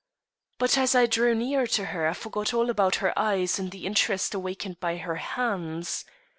But as I drew nearer to her I forgot all about her eyes in the interest awakened by her hands.